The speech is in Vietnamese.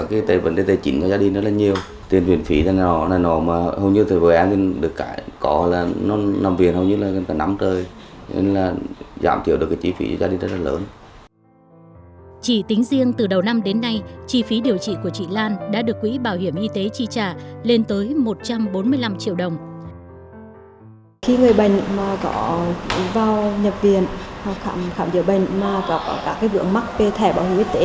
khi người bệnh có vào nhập viện hoặc khám giữa bệnh mà có vượng mắc về thẻ bảo hiểm y tế